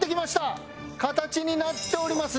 形になっておりますね。